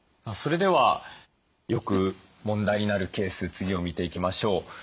それではよく問題になるケース次を見ていきましょう。